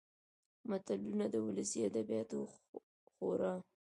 متلونه د ولسي ادبياتو خورا .